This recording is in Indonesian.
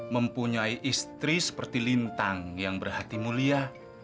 mempunyai istri seperti lintang yang berhati mulia